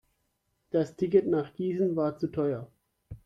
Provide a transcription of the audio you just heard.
Das Ticket nach Gießen war zu teuer